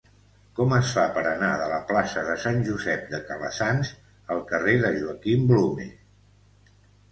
Com es fa per anar de la plaça de Sant Josep de Calassanç al carrer de Joaquim Blume?